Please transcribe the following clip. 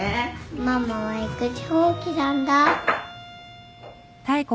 ママは育児放棄なんだ。